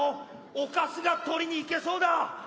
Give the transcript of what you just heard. お菓子が取りに行けそうだ！